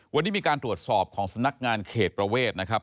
วันนี้มีการตรวจสอบของสำนักงานเขตประเวทนะครับ